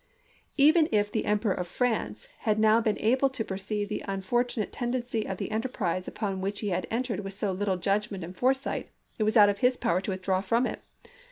Even if the Emperor of France had now been able to perceive the unfortunate tendency of the enterprise upon which he had entered with so little judgment and foresight, it was out of his power to withdraw from it.